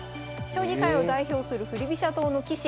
将棋界を代表する振り飛車党の棋士